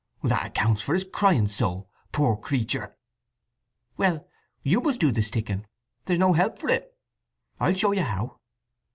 "That accounts for his crying so. Poor creature!" "Well—you must do the sticking—there's no help for it. I'll show you how.